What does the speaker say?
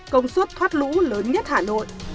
công suất thoát lũ lớn nhất hà nội